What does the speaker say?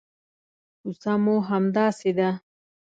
کوڅه مو همداسې ده.